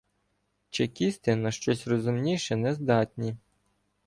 Чекісти на щось розумніше не здатні.